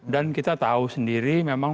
dan kita tahu sendiri memang